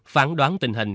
phán đoán tình hình